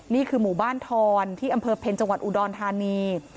นี่คือหมู่บ้านทอนที่อำเภอเพ็ญจังหวัดอุดรธานี